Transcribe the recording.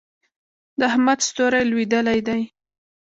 د احمد ستوری لوېدلی دی.